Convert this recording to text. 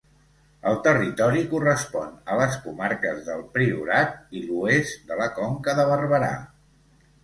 El territori correspon a les comarques del Priorat i l'oest de la Conca de Barberà.